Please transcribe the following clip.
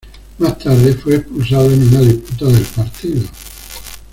Más tarde fue expulsado en una disputa del partido.